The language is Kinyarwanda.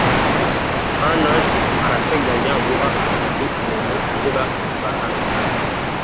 Arnaud arateganya guha akazi umuntu uvuga igifaransa.